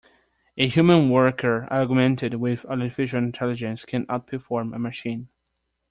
A human worker augmented with Artificial Intelligence can outperform a machine.